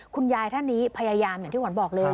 คุณยายท่านนี้พยายามอย่างที่ขวัญบอกเลย